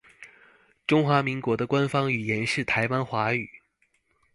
中华民国的官方语言是台湾华语。